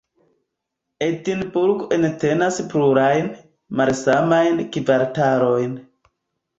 Edinburgo entenas plurajn, malsamajn kvartalojn.